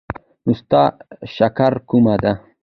نو ستا شکر کومه دی؟